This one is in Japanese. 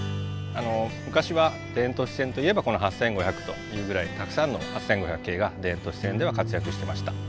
昔は田園都市線といえばこの８５００というぐらいたくさんの８５００系が田園都市線では活躍してました。